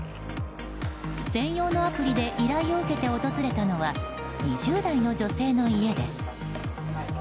専用のアプリで依頼を受けて訪れたのは２０代の女性の家です。